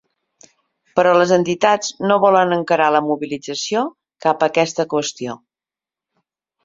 Però les entitats no volen encarar la mobilització cap a aquesta qüestió.